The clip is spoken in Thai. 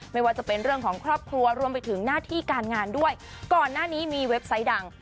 ไม่ว่าจะเป็นเรื่องของครอบครัวรวมไปถึงหน้าที่การงานด้วยก่อนหน้านี้มีเว็บไซต์ดัง